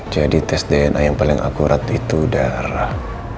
jadi tes dna yang paling akurat itu darah